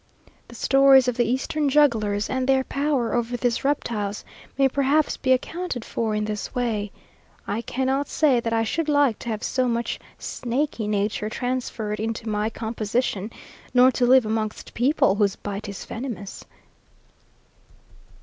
The stories of the eastern jugglers, and their power over these reptiles, may perhaps be accounted for in this way. I cannot say that I should like to have so much snaky nature transferred into my composition, nor to live amongst people whose bite is venomous....